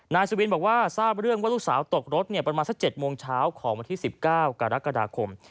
นายสุบินบอกว่าทราบเรื่องว่าลูกสาวตกรถประมาณสัก๗โมงเช้าของวันที่๑๙กรกฎาคม